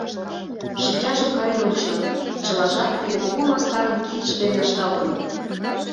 Шинчажым карен онча, чылажат тиде кугу мастарын кидше дене ышталтын.